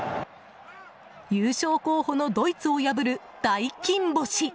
優勝候補のドイツを破る大金星。